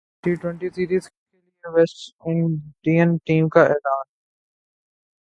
T twenty series کیلئے West Indian team کااعلان